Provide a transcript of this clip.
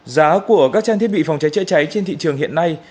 giá của các trang thiết bị phòng cháy chữa cháy trên thị trường hiện nay